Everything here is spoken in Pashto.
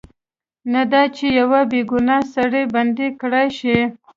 نه دا چې یو بې ګناه سړی بندي کړای شي.